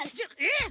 えっ！？